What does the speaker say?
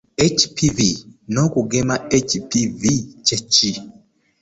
HPV n’okugema HPV kye ki?